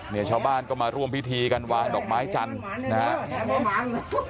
เนี่ยชาวบ้านก็มาร่วมพิธีกันวางดอกไม้จันทร์นะครับ